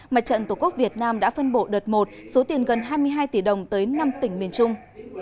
mặt trận tổ quốc việt nam đã phân bộ đợt một số tiền gần hai mươi hai tỷ đồng tới năm tỉnh miền trung